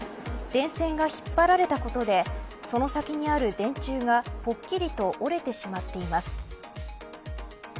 電線が引っ張られたことでその先にある電柱がぽっきりと折れてしまっています。